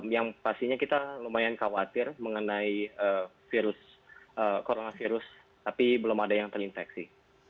yang pastinya kita lumayan khawatir mengenai virus coronavirus tapi belum ada yang terinfeksi